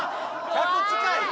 １００近い！？